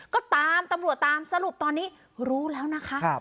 ก็ตามตำรวจตามสรุปตอนนี้รู้แล้วนะคะ